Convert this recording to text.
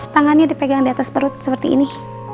tangannya dipegang diatas perut seperti ini